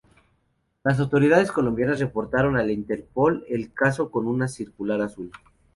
Las autoridades colombianas reportaron a la Interpol el caso con una circular azul.